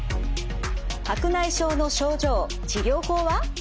白内障の症状治療法は？